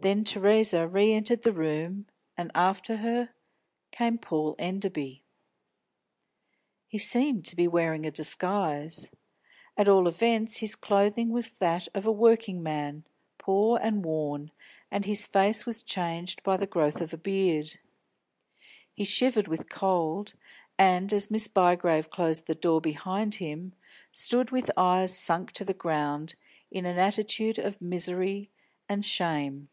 Then Theresa re entered the room, and after her came Paul Enderby. He seemed to be wearing a disguise; at all events his clothing was that of a working man, poor and worn, and his face was changed by the growth of a beard. He shivered with cold, and, as Miss Bygrave closed the door behind him, stood with eyes sunk to the ground, in an attitude of misery and shame.